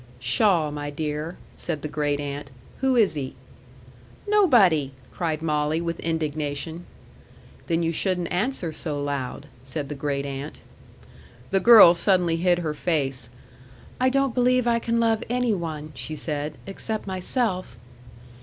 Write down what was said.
"Pshaw, my dear!" said the great aunt. "Who is he?" "Nobody!" cried Molly, with indignation. "Then you shouldn't answer so loud," said the great aunt. The girl suddenly hid her face. "I don't believe I can love any one," she said, "except myself."